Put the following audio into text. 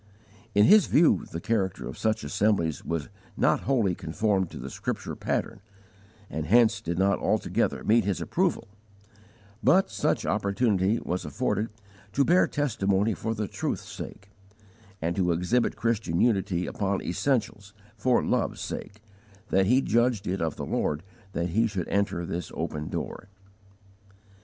In his view the character of such assemblies was not wholly conformed to the Scripture pattern, and hence did not altogether meet his approval; but such opportunity was afforded to bear testimony for the truth's sake, and to exhibit Christian unity upon essentials, for love's sake, that he judged it of the Lord that he should enter this open door.